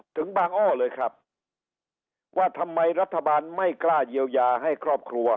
ถึงบางอ้อเลยครับว่าทำไมรัฐบาลไม่กล้าเยียวยาให้ครอบครัว